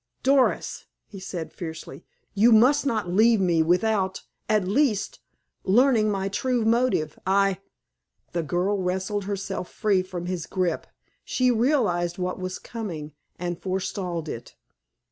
"Doris," he said fiercely, "you must not leave me without, at least, learning my true motive. I—" The girl wrested herself free from his grip. She realized what was coming, and forestalled it.